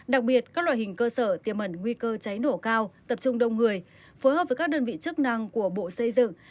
đặc biệt các loại hình cơ sở tiềm mẩn nguy cơ cháy nổ cao tập trung đông người phối hợp với các đơn vị chức năng của bộ xây dựng